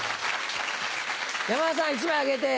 山田さん１枚あげて。